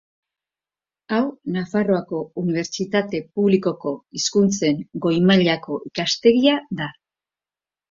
Hau Nafarroako Unibertsitate Publikoko Hizkuntzen Goi Mailako Ikastegia da.